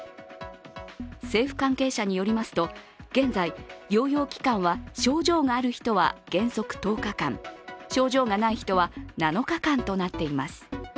政府関係者によりますと、現在、療養期間は症状がある人は原則１０日間、症状がない人は７日間となっています。